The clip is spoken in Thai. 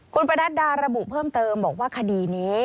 คุณประนัดดาระบุเพิ่มเติมบอกว่าคดีนี้